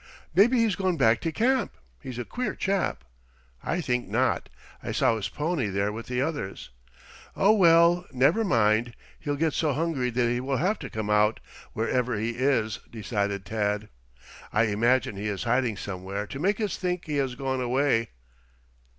"Maybe he's gone back to camp. He's a queer chap." "I think not. I saw his pony there with the others." "Oh, well, never mind. He'll get so hungry that he will have to come out, wherever he is," decided Tad. "I imagine he is hiding somewhere to make us think he has gone away.